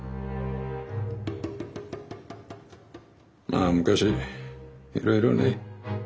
まあ昔いろいろね。